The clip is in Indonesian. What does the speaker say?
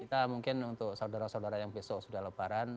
kita mungkin untuk saudara saudara yang besok sudah lebaran